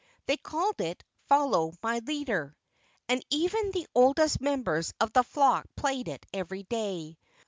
They called it "Follow My Leader." And even the oldest members of the flock played it every day.